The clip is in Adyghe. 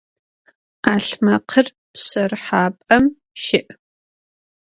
'alhmekhır pşerıhap'em şı'.